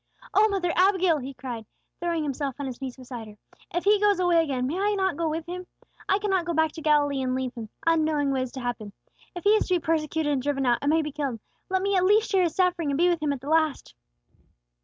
"O mother Abigail!" he cried, throwing himself on his knees beside her. "If He goes away again may I not go with Him? I cannot go back to Galilee and leave Him, unknowing what is to happen. If He is to be persecuted and driven out, and maybe killed, let me at least share His suffering, and be with Him at the last!"